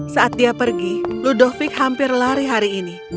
saat dia pergi ludovic hampir lari hari ini